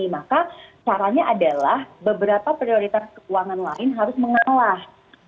maka caranya adalah beberapa prioritas keuangan lain harus mengalah